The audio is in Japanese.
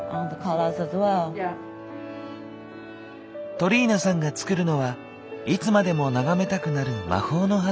トリーナさんが作るのはいつまでも眺めたくなる魔法の花束。